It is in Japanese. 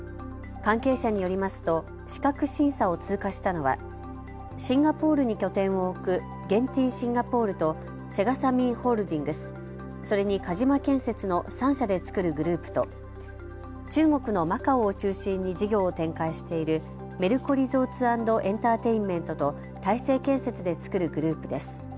関係者によりますと資格審査を通過したのはシンガポールに拠点を置くゲンティン・シンガポールとセガサミーホールディングス、それに鹿島建設の３社で作るグループと中国のマカオを中心に事業を展開しているメルコリゾーツ＆エンターテインメントと大成建設で作るグループです。